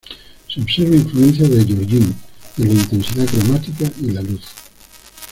Se observa influencia de Giorgione en la intensidad cromática y la luz.